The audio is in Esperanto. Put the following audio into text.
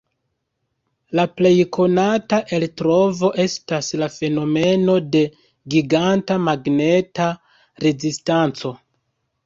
Lia plej konata eltrovo estas la fenomeno de Giganta Magneta Rezistanco.